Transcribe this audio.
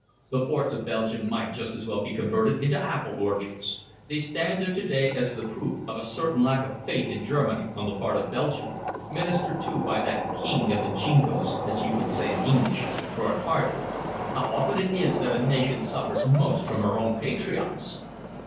The forts of Belgium might just as well be converted into apple orchards. They stand there to day as the proof of a certain lack of faith in Germany on the part of Belgium, ministered to by that King of the Jingoes, as you would say in English, Bernhardi. How often it is that a nation suffers most from her own patriots!"